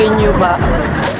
akhirnya saya pengganti revenue